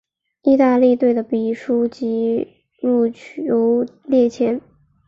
意大利队的比数及入球列前。